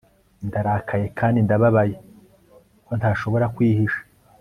ndarakaye kandi ndababaye, ko ntashobora kwihisha